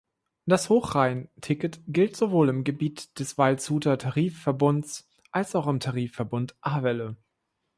Das Hochrhein-Ticket gilt sowohl im Gebiet des Waldshuter Tarifverbunds als auch im Tarifverbund A-Welle.